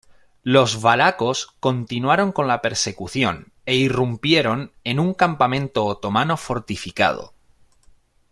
Los valacos continuaron con la persecución e irrumpieron en un campamento otomano fortificado.